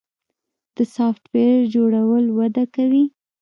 د سافټویر جوړول وده کوي